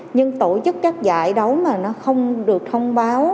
nhưng tổ chức các giải đấu mà nó không được thông báo